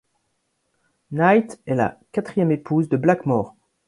Night est la quatrième épouse de Blackmore.